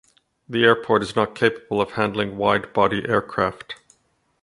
The airport is not capable of handling wide-body aircraft.